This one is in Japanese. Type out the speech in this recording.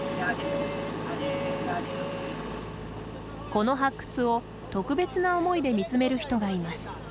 この発掘を特別な思いで見つめる人がいます。